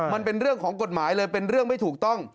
มันเป็นเรื่องของกฎหมายเลยเป็นเรื่องไม่ถูกต้อง